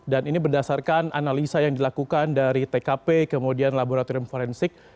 dan ini berdasarkan analisa yang dilakukan dari tkp kemudian laboratorium perpustakaan dan juga dari tkp